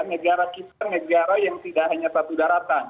negara kita negara yang tidak hanya satu daratan